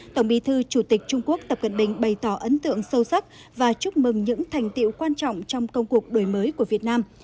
tổng bí thư chủ tịch trung quốc tập cận bình bày tỏ ấn tượng sâu sắc và chúc mừng những thành tiệu quan trọng trong công cuộc đổi mới của việt nam